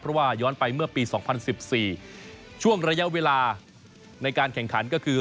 เพราะว่าย้อนไปเมื่อปี๒๐๑๔ช่วงระยะเวลาในการแข่งขันก็คือ